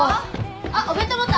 あっお弁当持った？